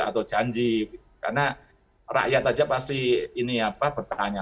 atau janji karena rakyat saja pasti bertanya